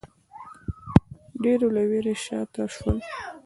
ډېرو له وېرې شا ته شول